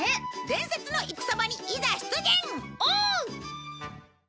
伝説の戦場にいざ出陣！